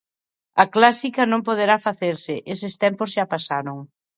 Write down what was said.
A clásica non poderá facerse, eses tempos xa pasaron.